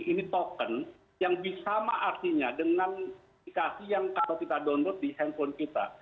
ini token yang bisama artinya dengan aplikasi yang kalau kita download di handphone kita